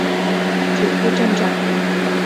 祖父郑肇。